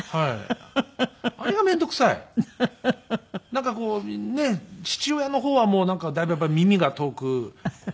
なんかこうねえ父親の方はもうだいぶやっぱり耳が遠くなってくる。